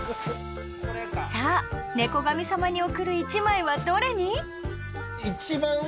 さあ猫神さまに送る１枚はどれに？